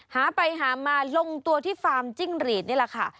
หาไปหามาลงตัวที่ฟาร์มจิ้งหรีดนี่แหละค่ะ